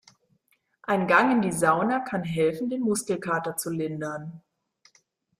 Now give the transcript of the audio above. Ein Gang in die Sauna kann helfen, den Muskelkater zu lindern.